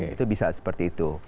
itu bisa seperti itu